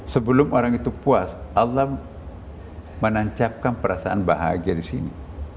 sebelum orang itu puas allah menancapkan perasaan bahagia di sini